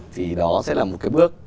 thì đó sẽ là một cái bước